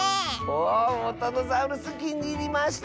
おウォタノザウルスきにいりました！